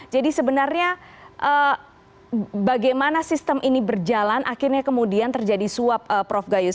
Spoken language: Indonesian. jadi sebenarnya bagaimana sistem ini berjalan akhirnya kemudian terjadi suap prof gayus